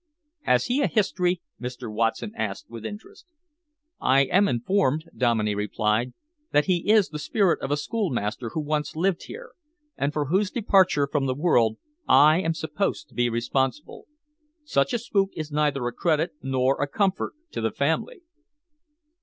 "Has he a history?" Mr. Watson asked with interest. "I am informed," Dominey replied, "that he is the spirit of a schoolmaster who once lived here, and for whose departure from the world I am supposed to be responsible. Such a spook is neither a credit nor a comfort to the family."